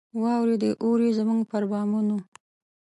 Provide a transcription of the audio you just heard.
واوري دي اوري زموږ پر بامونو